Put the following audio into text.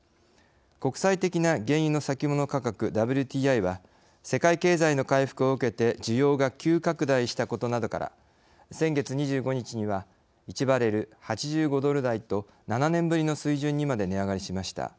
国際的な原油の先物価格ＷＴＩは世界経済の回復を受けて需要が急拡大したことなどから先月２５日には１バレル８５ドル台と７年ぶりの水準にまで値上がりしました。